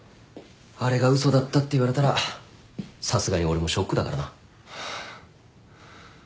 あれが嘘だったって言われたらさすがに俺もショックだからな。